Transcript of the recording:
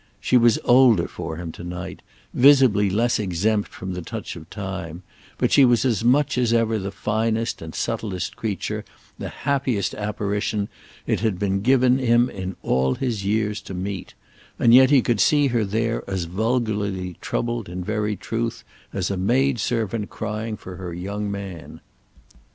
She was older for him to night, visibly less exempt from the touch of time; but she was as much as ever the finest and subtlest creature, the happiest apparition, it had been given him, in all his years, to meet; and yet he could see her there as vulgarly troubled, in very truth, as a maidservant crying for her young man.